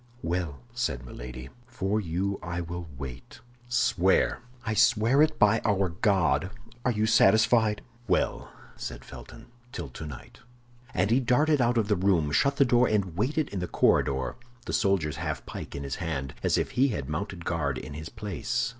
"Well," said Milady, "for you I will wait." "Swear." "I swear it, by our God. Are you satisfied?" "Well," said Felton, "till tonight." And he darted out of the room, shut the door, and waited in the corridor, the soldier's half pike in his hand, and as if he had mounted guard in his place.